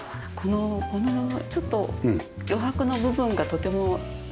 このちょっと余白の部分がとても使いやすい。